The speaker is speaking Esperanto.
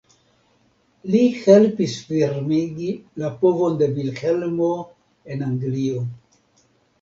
Li helpis firmigi la povon de Vilhelmo en Anglio.